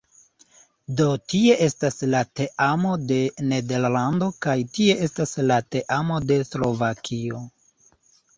Do tie estas la teamo de Nederlando kaj tie estas la teamo de Slovakio